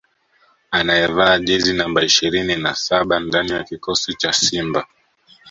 anayevaa jezi namba ishirini na saba ndani ya kikosi cha Simba